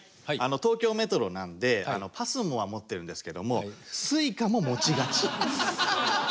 東京メトロなんでＰＡＳＭＯは持ってるんですけども「Ｓｕｉｃａも持ちがち」。